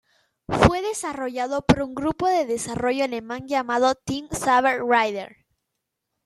Fue desarrollado por un grupo de desarrollo alemán llamado "Team Saber Rider".